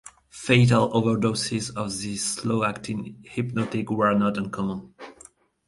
Fatal overdoses of this slow-acting hypnotic were not uncommon.